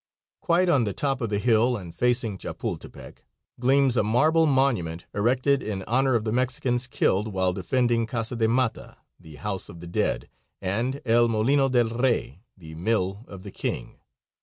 Quite on the top of the hill, and facing Chapultepec, gleams a marble monument erected in honor of the Mexicans killed while defending Casa de Mata (the house of the dead) and El Molino del Rey (the mill of the king).